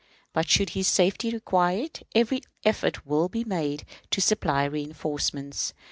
But, should his safety require it, every effort will be made to supply reënforcements."